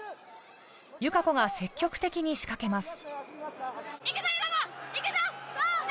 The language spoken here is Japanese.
友香子が積極的に仕掛けます。